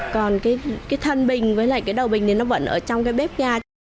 còn cái thân bình với lại cái đầu bình thì nó vẫn ở trong cái bếp nha